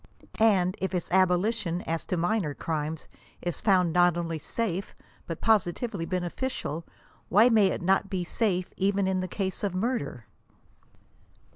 And if its aboli tion, as to minor crimes, is found not only safe but positively bene* ficial, why may it not be safe even in the case of murder